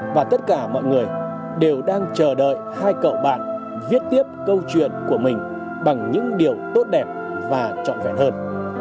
và tất cả mọi người đều đang chờ đợi hai cậu bạn viết tiếp câu chuyện của mình bằng những điều tốt đẹp và trọn vẹn hơn